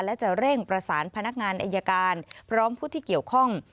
และจะเร่งประสานพนักงานอายการพร้อมผู้ที่เกี่ยวข้อง